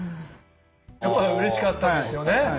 やっぱりうれしかったんですよね。